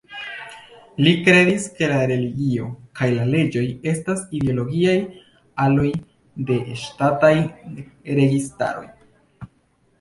Li kredis ke la religio kaj la leĝoj estas ideologiaj iloj de ŝtataj registaroj.